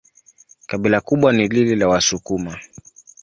Kabila kubwa ni lile la Wasukuma.